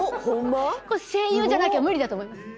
これ声優じゃなきゃ無理だと思います。